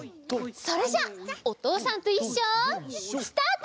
それじゃあ「おとうさんといっしょ」スタート！